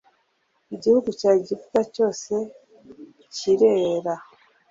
igihugu cya Egiputa cyose cyirera